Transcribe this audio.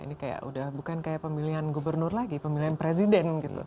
ini kayak udah bukan kayak pemilihan gubernur lagi pemilihan presiden gitu